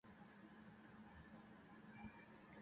কর্তব্যবোধের দ্বারা ভারাক্রান্ত রমেশও বড়ো কম গভীর ছিল না।